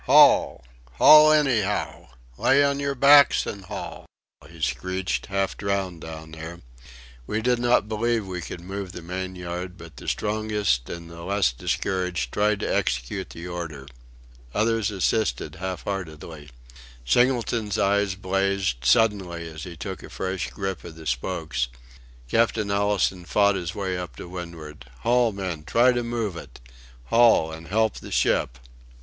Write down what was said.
Haul! haul anyhow! Lay on your backs and haul!" he screeched, half drowned down there. We did not believe we could move the main yard, but the strongest and the less discouraged tried to execute the order. Others assisted half heartedly. Singleton's eyes blazed suddenly as he took a fresh grip of the spokes. Captain Allistoun fought his way up to windward. "Haul, men! Try to move it! Haul, and help the ship."